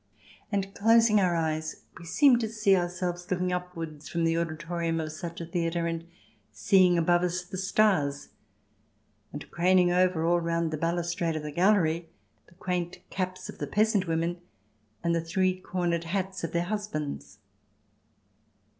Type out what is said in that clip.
And, closing our eyes, we seem to see ourselves looking upwards from the auditorium of such a theatre and seeing CH. IV] UTOPIA 49 above us the stars and, craning over all round the balustrade of the gallery, the quaint caps of the peasant women and the three cornered hats of their husbands.